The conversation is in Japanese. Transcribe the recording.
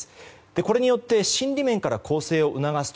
これによって心理面から更生を促すと。